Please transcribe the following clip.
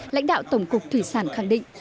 lãnh đạo tổng cục thủy sản khẳng định